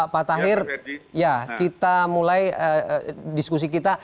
pak tahir ya kita mulai diskusi kita